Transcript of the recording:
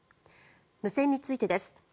無線についてです。